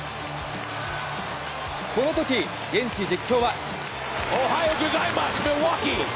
この時、現地実況は。